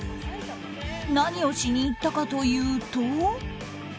何をしに行ったかというと。